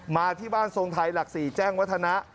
มาที่บ้านทรงไทยหลัก๔แจ้งวัฒนะ